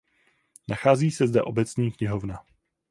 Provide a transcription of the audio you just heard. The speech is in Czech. Nachází se zde obecní knihovna.